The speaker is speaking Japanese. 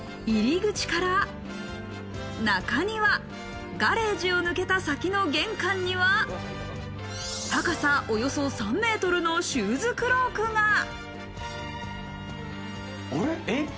入口から中庭、ガレージを抜けた先の玄関には、高さおよそ３メートルのシューズクロークが。